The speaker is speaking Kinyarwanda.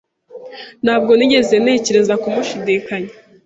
Ntabwo nigeze ntekereza kumushidikanya.